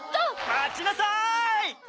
まちなさい！